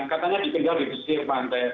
katanya dikenal di kusting pantai